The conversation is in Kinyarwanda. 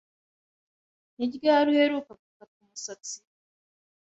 Ni ryari uheruka gukata umusatsi?